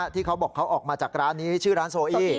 ที่เขาบอกเขาออกมาจากร้านนี้ชื่อร้านโซอี้